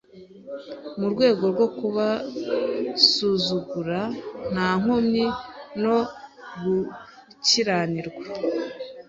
Mu rwego rwo kubasuzugura nta nkomyi no gukiranirwa